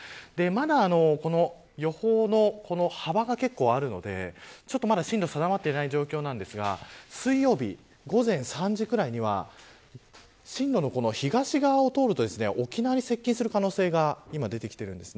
まだ予報の幅が結構あるので進路、定まっていない状況ですが水曜日、午前３時くらいには進路の東側を通ると沖縄に接近する可能性が出てきています。